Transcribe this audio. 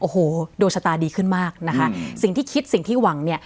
โอ้โหดวงชะตาดีขึ้นมากนะคะสิ่งที่คิดสิ่งที่หวังเนี่ย